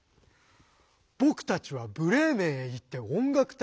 「僕たちはブレーメンへ行って音楽隊に入る！